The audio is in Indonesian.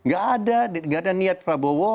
gak ada niat prabowo